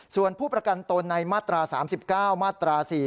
ส่วนผู้ประกันตนในมาตรา๓๙มาตรา๔